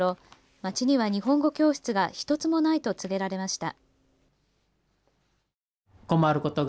町には日本語教室が１つもないと告げられました。